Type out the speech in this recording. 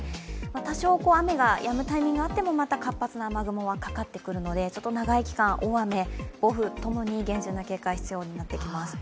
多少、雨がやむタイミングがあっても、また活発な雨雲がかかってくるので、長い期間、大雨、暴風の警戒が必要になってきます。